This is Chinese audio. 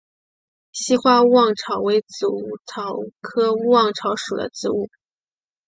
稀花勿忘草为紫草科勿忘草属的植物。